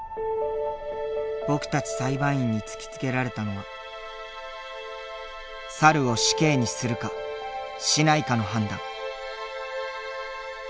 僕たち裁判員に突きつけられたのは猿を死刑にするかしないかの判断。